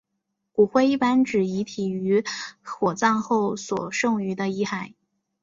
骨灰一般指遗体于火葬后所剩余的遗骸。